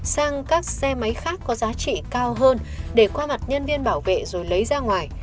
sang các xe máy khác có giá trị cao hơn để qua mặt nhân viên bảo vệ rồi lấy ra ngoài